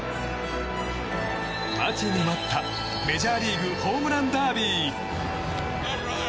待ちに待ったメジャーリーグホームランダービー。